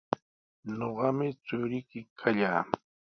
Ñuqami churiyki kallaa.